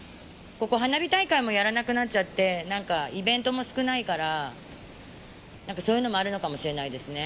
ここ、花火大会もやらなくなっちゃって、なんかイベントも少ないから、なんかそういうのもあるのかもしれないですね。